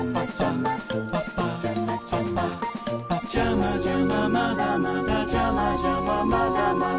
「ジャマジャマまだまだジャマジャマまだまだ」